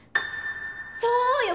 そうよ